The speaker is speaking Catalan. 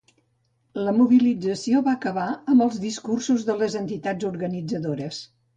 La mobilització va acabar amb els discursos de les entitats organitzadores.